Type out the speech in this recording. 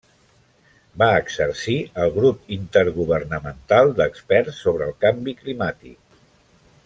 Va exercir al Grup Intergovernamental d'Experts sobre el Canvi Climàtic.